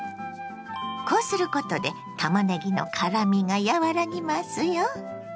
こうすることでたまねぎの辛みが和らぎますよ。